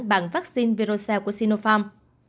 bằng vaccine virocell của sinopharm